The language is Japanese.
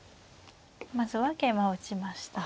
まずは桂馬を打ちました。